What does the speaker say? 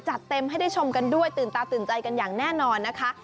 จัดเต็มให้ได้ชมกันด้วยตื่นตาตื่นใจกันอย่างแน่นอนนะคะ